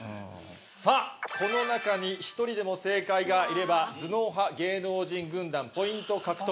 この中に１人でも正解がいれば頭脳派芸能人軍団ポイント獲得。